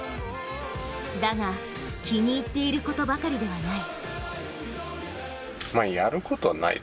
だが、気に入ってることばかりではない。